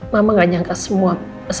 mama ga nyangka semua